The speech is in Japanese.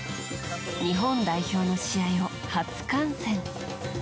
日本代表の試合を初観戦。